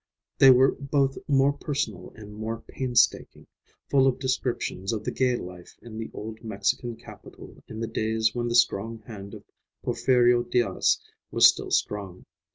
They were both more personal and more painstaking; full of descriptions of the gay life in the old Mexican capital in the days when the strong hand of Porfirio Diaz was still strong.